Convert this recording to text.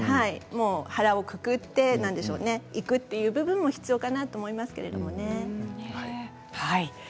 腹をくくっていくという部分も大切かなと思いますけれどもね。